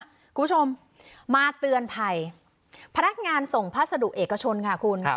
คุณผู้ชมมาเตือนภัยพนักงานส่งพัสดุเอกชนค่ะคุณ